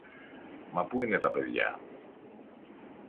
Μα πού είναι τα παιδιά;